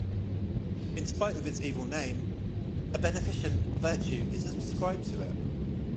In spite of its evil name, a beneficent virtue is ascribed to it.